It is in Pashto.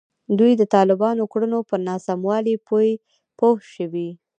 دوی د طالبانو کړنو پر ناسموالي پوه شوي.